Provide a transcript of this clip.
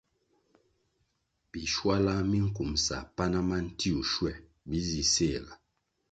Bischuala minkumsa pana ma ntiwuh schuer bi zih séhga.